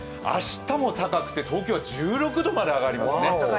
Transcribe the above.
明日も高くて東京は１６度まで上がりますね。